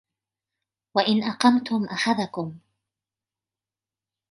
وَإِنْ أَقَمْتُمْ أَخَذَكُمْ